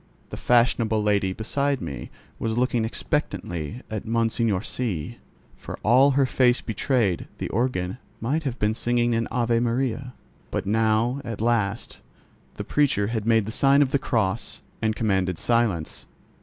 The fashionable lady beside me was looking expectantly at Monseigneur C——. For all her face betrayed, the organ might have been singing an Ave Maria. But now, at last, the preacher had made the sign of the cross, and commanded silence.